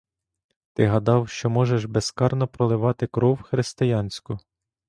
Ти гадав, що можеш безкарно проливати кров християнську?